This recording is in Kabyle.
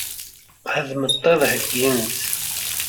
Ad m-tt-id-heggint?